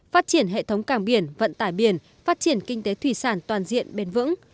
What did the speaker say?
phát triển hệ thống cảng biển vận tải biển phát triển kinh tế thủy sản toàn diện bền vững